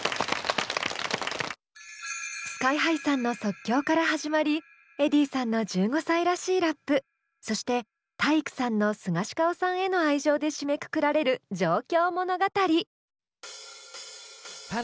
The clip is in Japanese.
ＳＫＹ−ＨＩさんの即興から始まりｅｄｈｉｉｉさんの１５歳らしいラップそして体育さんのスガシカオさんへの愛情で締めくくられる上京物語。